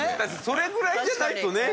それぐらいじゃないとね